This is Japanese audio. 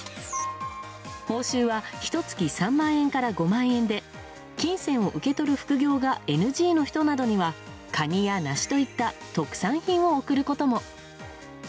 報酬はひと月３万円から５万円で金銭を受け取る副業がＮＧの人などにはカニや梨といった特産品を贈ることも。